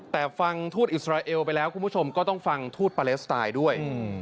แต่ฟังทูตอิสราเอลไปแล้วคุณผู้ชมก็ต้องฟังทูตปาเลสไตล์ด้วย